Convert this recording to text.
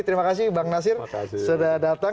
terima kasih bang nasir sudah datang